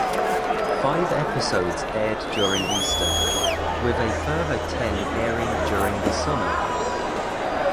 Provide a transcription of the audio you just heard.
Five episodes aired during Easter, with a further ten airing during the summer.